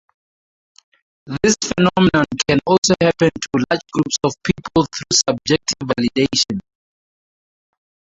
This phenomenon can also happen to large groups of people through subjective validation.